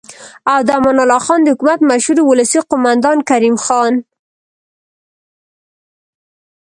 او د امان الله خان د حکومت مشهور ولسي قوماندان کریم خان